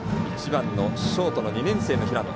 １番のショートの２年生の平野。